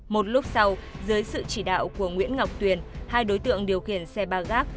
một lúc sau dưới sự chỉ đạo của nguyễn ngọc tuyền hai đối tượng điều khiển xe ba gác